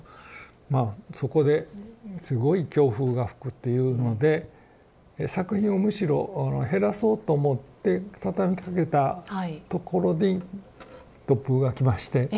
まあそこですごい強風が吹くっていうので作品をむしろ減らそうと思って畳みかけたところに突風が来まして。